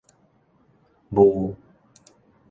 霧